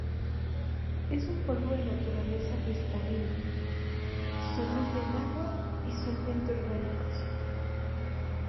Es un polvo de naturaleza cristalina, soluble en agua y solventes orgánicos.